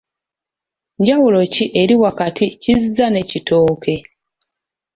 Njawulo ki eri wakati Kizza ne Kitooke?